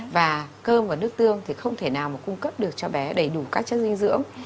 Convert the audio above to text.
và cơm và nước tương thì không thể nào mà cung cấp được cho bé đầy đủ các chất dinh dưỡng